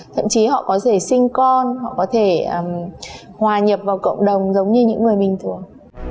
thậm chí họ có thể sinh con họ có thể hòa nhập vào cộng đồng giống như những người bình thường